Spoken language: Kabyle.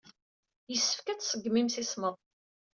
Yessefk ad tṣeggem imsismeḍ.